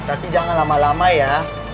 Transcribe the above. tapi jangan lama lama ya